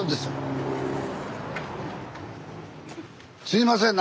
すいません。